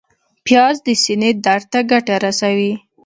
پیاز د سینې درد ته ګټه رسوي